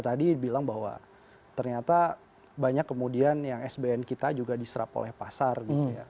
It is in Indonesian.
tadi bilang bahwa ternyata banyak kemudian yang sbn kita juga diserap oleh pasar gitu ya